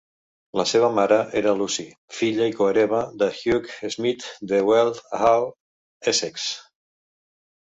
La seva mare era Lucy, filla i cohereva de Hugh Smith de Weald Hall, Essex.